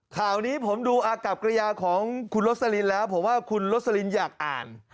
ข่าวนี้ผมดูอากับกระยาของคุณโรสลินแล้วผมว่าคุณโรสลินอยากอ่าน